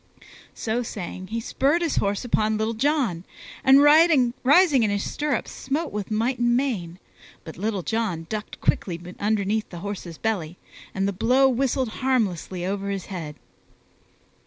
So saying, he spurred his horse upon Little John, and rising in his stirrups smote with might and main, but Little John ducked quickly underneath the horse's belly and the blow whistled harmlessly over his head.